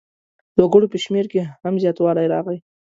د وګړو په شمېر کې هم زیاتوالی راغی.